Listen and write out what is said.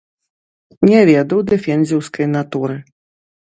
Не ведаў дэфензіўскай натуры.